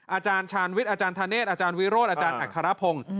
อาจารย์ชาญวิทย์อาจารย์ธเนธอาจารย์วิโรธอาจารย์อัครพงศ์